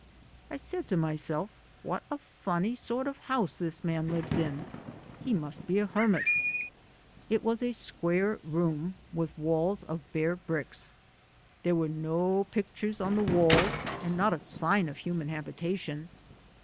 I said to myself, "What a funny sort of house this man lives in ; he must be a hermit." It was a square room, with walls of bare bricks. There was no picture on the walls and not a sign of human habitation.